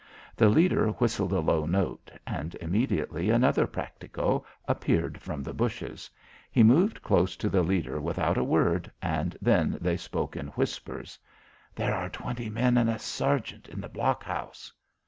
The leader whistled a low note and immediately another practico appeared from the bushes. He moved close to the leader without a word, and then they spoke in whispers. "There are twenty men and a sergeant in the blockhouse."